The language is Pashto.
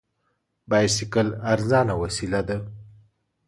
بایسکل ارزانه وسیله ده.